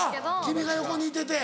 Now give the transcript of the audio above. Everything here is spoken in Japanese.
君が横にいてて。